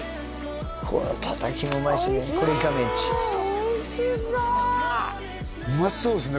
このたたきもうまいしねこれイカメンチおいしそううまそうですね